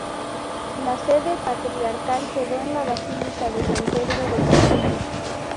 La sede patriarcal quedó en la basílica de San Pedro de Castillo.